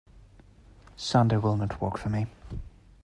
Sunday will not work for me.